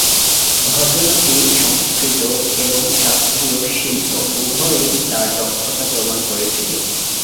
ঘটনাটি সংস্কৃত এবং শাস্ত্রীয় শিল্প উভয়েই তাঁর দক্ষতা প্রমাণ করেছিল।